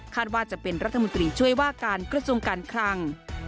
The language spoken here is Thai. ว่าจะเป็นรัฐมนตรีช่วยว่าการกระทรวงการคลัง